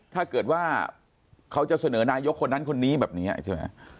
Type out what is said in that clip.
ถ้าเกิดว่าเขาจะเสนอนายกคนนั้นคนนี้แบบนี้ใช่ไหม